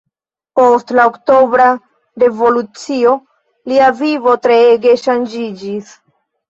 Post la Oktobra Revolucio, lia vivo treege ŝanĝiĝis.